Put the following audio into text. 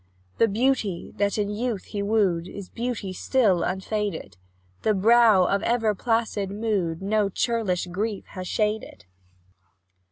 The beauty that in youth he wooed, Is beauty still, unfaded; The brow of ever placid mood No churlish grief has shaded.